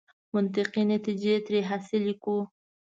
منطقي نتیجې ترې حاصلې کړو.